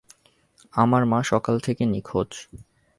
আমার মা সকাল থেকে নিখোঁজ।